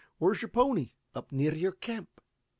Where's your pony?" "Up near your camp.